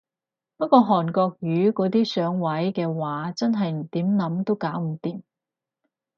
不過韓國瑜嗰啲上位嘅話真係點諗都搞唔掂